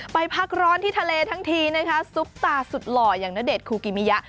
ไปพักร้อนที่ทะเลทั้งทีนะคะซุปตาสุดหล่ออย่างณเดชนคูกิมิยะ